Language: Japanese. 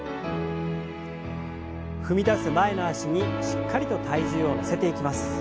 踏み出す前の脚にしっかりと体重を乗せていきます。